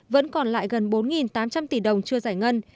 vẫn còn lại gần bốn tám trăm linh tỷ đồng chưa giải ngân